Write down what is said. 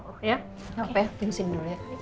gak apa apa ya tunggu sini dulu ya